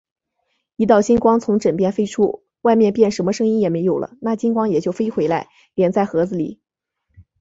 一道金光从枕边飞出，外面便什么声音也没有了，那金光也就飞回来，敛在盒子里。